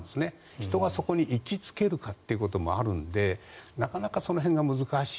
人がそこに行き着けるかということもあるのでなかなかその辺が難しい。